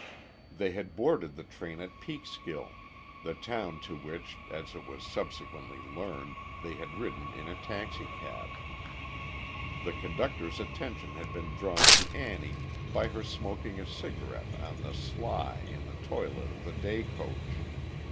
They had boarded the train at Peekskill, the town to which, as it was subsequently learned, they had ridden in a taxicab. The conductor's attention had been drawn to Annie by her smoking a cigarette on the sly in the toilet of the day coach.